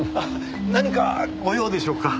何かご用でしょうか？